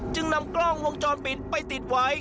จึงนำกล้องวงจรปิดไปติดไว้